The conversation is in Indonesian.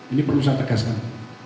ini perlu saya tegaskan